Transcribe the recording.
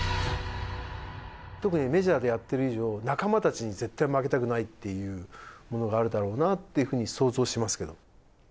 特にメジャーでやっている以上仲間たちに絶対負けたくないっていうものがあるだろうなっていう風に想像しますけど。